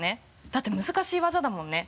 だって難しい技だもんね。